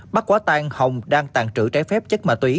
bắt quá tan hồng đang tàn trữ trái phép chất ma túy